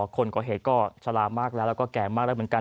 คนก่อเหตุก็ชะลามากแล้วแล้วก็แก่มากแล้วเหมือนกัน